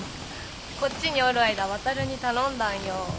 こっちにおる間航に頼んだんよ。